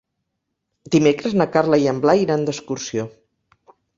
Dimecres na Carla i en Blai iran d'excursió.